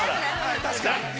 ◆確かに！